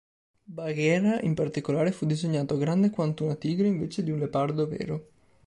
Bagheera, in particolare, fu disegnato grande quanto una tigre invece d'un leopardo vero.